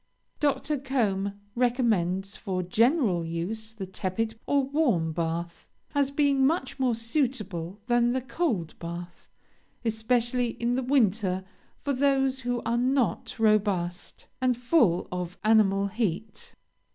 Dr. Combe recommends for general use the tepid or warm bath, as being much more suitable than the cold bath, 'especially in the winter for those who are not robust, and full of animal heat.'